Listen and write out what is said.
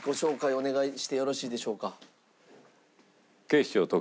お願いしてよろしいでしょうか？